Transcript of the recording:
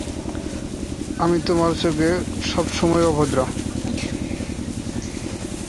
আমি তোমার চোখে সবসময় অভদ্র।